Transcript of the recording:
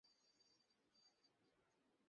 তিনি তাই করলেন।